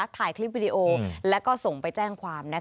ถ่ายคลิปวิดีโอแล้วก็ส่งไปแจ้งความ